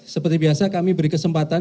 seperti biasa kami beri kesempatan